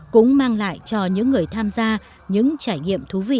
cũng mang lại cho những người tham gia những trải nghiệm thú vị